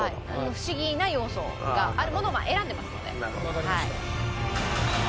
フシギな要素があるものを選んでますので。